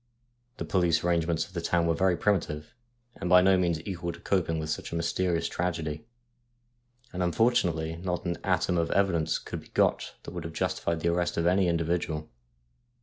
The police arrangements of the town were very primitive, and by no means equal to coping with such a mysterious tragedy, and unfortunately not an atom of evidence could be got that would have justified the arrest of any individual.